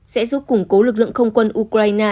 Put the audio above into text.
sẽ giúp củng cố lực lượng không quân ukraine